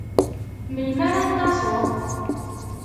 Melmi ara n-taseḍ?